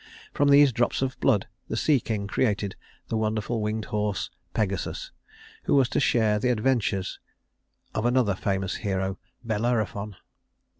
From these drops of blood the sea king created the wonderful winged horse, Pegasus, who was to share in the adventures of another famous hero, Bellerophon.